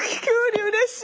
うれしい！